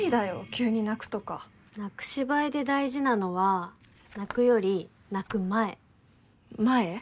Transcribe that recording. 急に泣くとか泣く芝居で大事なのは泣くより泣く前前？